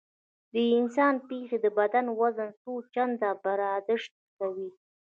د انسان پښې د بدن وزن څو چنده برداشت کوي.